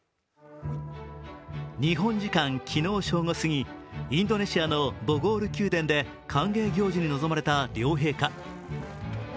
日本時間昨日正午過ぎ、インドネシアのボゴール宮殿で歓迎行事に臨まれた両陛下。